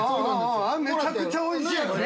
めちゃくちゃおいしいやつね！